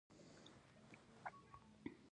د پکتیکا په یحیی خیل کې د سمنټو مواد شته.